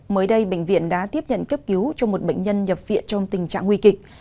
mới đây bệnh viện đã tiếp nhận cấp cứu cho một bệnh nhân nhập viện trong tình trạng nguy kịch